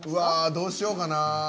どうしようかな。